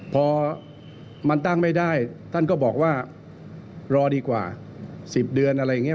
พอมันตั้งไม่ได้ท่านก็บอกว่ารอดีกว่า๑๐เดือนอะไรอย่างนี้